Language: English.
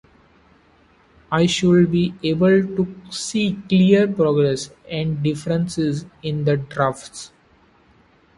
I should be able to see clear progress and differences in the drafts.